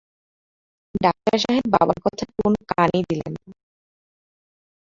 Doctor সাহেব বাবার কথায় কোনোই কান দিলেন না।